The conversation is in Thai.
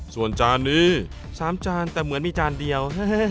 ส่วนจานนี้๓จานแต่เหมือนมีจานเดียว